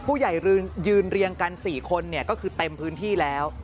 ยืนเรียงกัน๔คนก็คือเต็มพื้นที่แล้ว